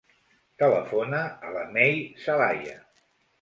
Telefona a la Mei Zelaya.